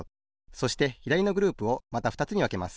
そしてひだりのグループをまたふたつにわけます。